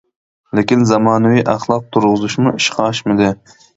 لېكىن زامانىۋى ئەخلاق تۇرغۇزۇشمۇ ئىشقا ئاشمىدى.